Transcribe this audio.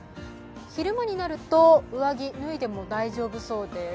昼間になると上着、脱いでも大丈夫そうです。